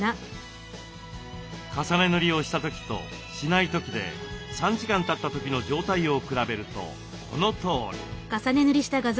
重ね塗りをした時としない時で３時間たった時の状態を比べるとこのとおり。